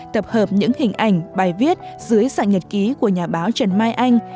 tập hợp những hình ảnh bài viết dưới dạng nhật ký của nhà báo trần mai anh